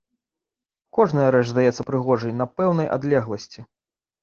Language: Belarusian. Кожная рэч здаецца прыгожай на пэўнай адлегласці.